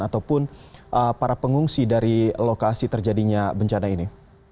ataupun para pengungsi dari lokasi terjadinya bencana ini